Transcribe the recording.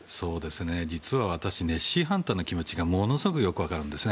実は私ネッシーハンターの気持ちがものすごくよくわかるんです。